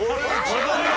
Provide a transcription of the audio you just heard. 自分の？